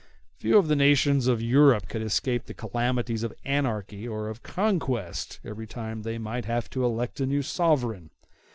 Few of the nations of Europe could escape the calamities of anarchy or of conquest every time they might have to elect a new sovereign.